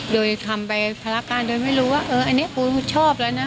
โดยทำไปภารการโดยไม่รู้ว่าเอออันนี้ปูชอบแล้วนะ